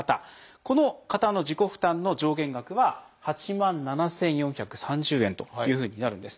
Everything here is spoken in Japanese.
この方の自己負担の上限額は８万７，４３０円というふうになるんです。